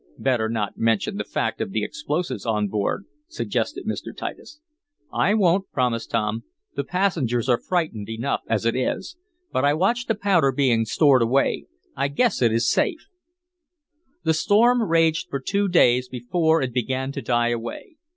"Better not mention the fact of the explosives on board," suggested Mr. Titus. "I won't," promised Tom. "The passengers are frightened enough as it is. But I watched the powder being stored away. I guess it is safe." The storm raged for two days before it began to die away.